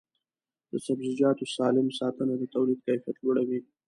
د سبزیجاتو سالم ساتنه د تولید کیفیت لوړوي.